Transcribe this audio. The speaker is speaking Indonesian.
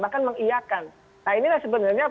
bahkan mengiakan nah inilah sebenarnya